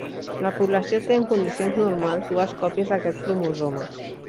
La població té, en condicions normals, dues còpies d'aquest cromosoma.